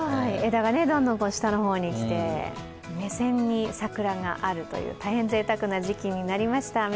枝がどんどん下の方にきて、目線に桜があるという、大変ぜいたくな時期になりました。